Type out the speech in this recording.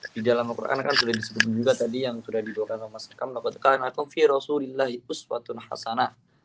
di dalam al quran kan sudah disebut juga tadi yang sudah dibuat oleh mas akan